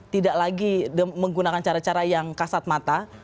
tidak lagi menggunakan cara cara yang kasat mata